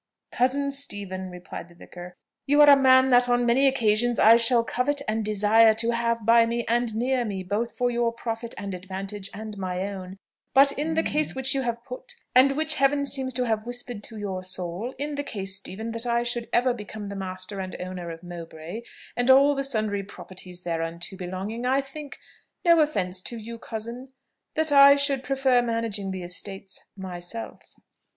"Cousin Stephen," replied the vicar, "you are a man that on many occasions I shall covet and desire to have by me and near me, both for your profit and advantage and my own; but in the case which you have put, and which Heaven seems to have whispered to your soul in the case, Stephen, that I should ever become the master and owner of Mowbray, and all the sundry properties thereunto belonging, I think no offence to you, cousin that I should prefer managing the estates myself."